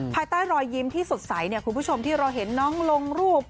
ภายใต้รอยยิ้มที่สดใสคุณผู้ชมที่เราเห็นน้องลงรูป